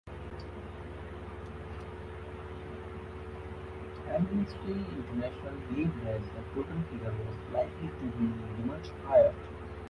Amnesty International believed that the total figure was likely to be much higher.